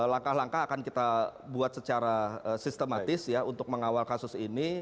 langkah langkah akan kita buat secara sistematis ya untuk mengawal kasus ini